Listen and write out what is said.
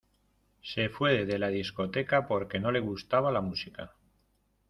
Se fue de la discoteca porque no le gustaba la música.